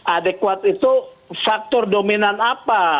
adekuat itu faktor dominan apa